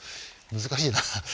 難しいなあ。